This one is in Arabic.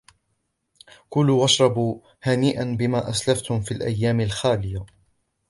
كلوا واشربوا هنيئا بما أسلفتم في الأيام الخالية